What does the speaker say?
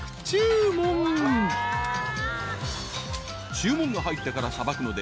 ［注文が入ってからさばくので］